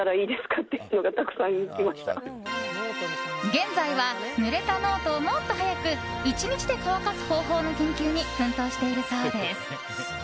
現在は、ぬれたノートをもっと早く１日で乾かす方法の研究に奮闘しているそうです。